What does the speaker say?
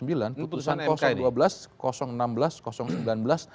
ini putusan mk ini